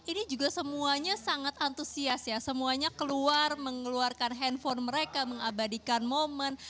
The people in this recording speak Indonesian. ini juga semuanya sangat antusias ya semuanya keluar mengeluarkan handphone mereka mengabadikan momen